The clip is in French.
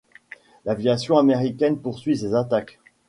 L'aviation américaine poursuit ses attaques.